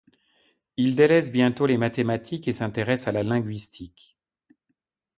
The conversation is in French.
Il délaisse bientôt les mathématiques et s'intéresse à la linguistique.